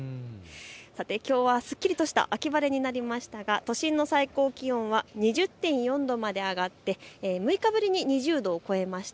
さて、きょうはすっきりとした秋晴れになりましたが都心の最高気温は２０．４度まで上がって６日ぶりに２０度を超えました。